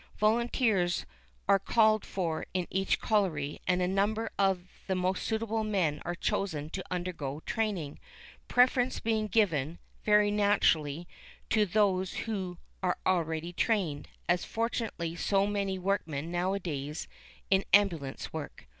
Volunteers are called for in each colliery and a number of the most suitable men are chosen to undergo training, preference being given, very naturally, to those who are already trained, as fortunately so many workmen are nowadays, in ambulance work.